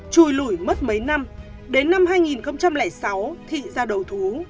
chùi lủi mất mấy năm đến năm hai nghìn sáu thị ra đầu thú